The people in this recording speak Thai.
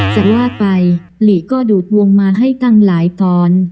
จะว่าไปหลีก็ดูดวงมาให้ตั้งหลายตอน